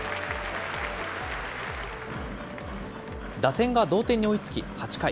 打線が同点に追いつき、８回。